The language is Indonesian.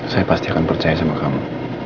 saya pasti akan percaya sama kamu